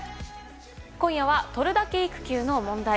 今夜は、とるだけ育休の問題。